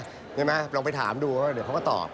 เห็นไหมลองไปถามดูเดี๋ยวเขาก็ตอบ